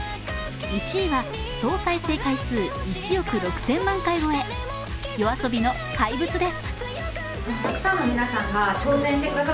１位は総再生回数１億６０００万回超えＹＯＡＳＯＢＩの「怪物」です。